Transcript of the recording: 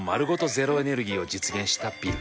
ゼロエネルギーを実現したビル。